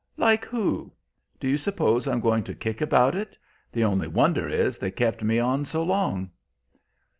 "Like who? Do you suppose I'm going to kick about it? The only wonder is they kept me on so long."